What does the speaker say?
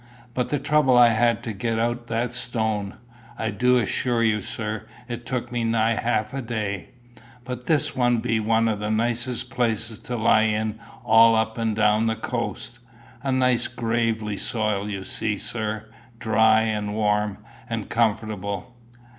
But the trouble I had to get out that stone! I du assure you, sir, it took me nigh half the day. But this be one of the nicest places to lie in all up and down the coast a nice gravelly soil, you see, sir; dry, and warm, and comfortable.